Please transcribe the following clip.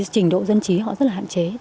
trình độ dân trí họ rất là hạn chế